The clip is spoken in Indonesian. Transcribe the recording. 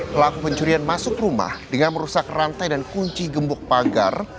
pelaku pencurian masuk rumah dengan merusak rantai dan kunci gembok pagar